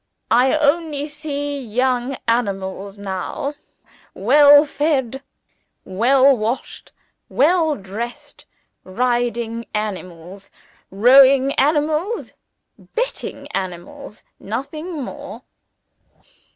I only see young animals now; well fed, well washed, well dressed; riding animals, rowing animals, betting animals nothing more."